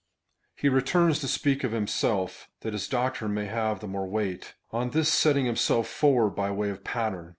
He returns to speak of himself, that his doctrine may have the more weight, on his setting himself forward by way of pattern.